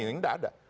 ini tidak ada